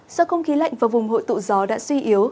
do không khí lạnh và vùng hội tụ gió đã suy yếu